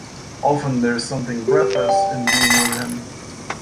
Often there's something breathless in being with him.